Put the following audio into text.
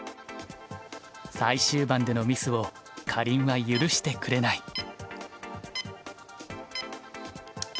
最終盤でのミスをかりんは許してくれない。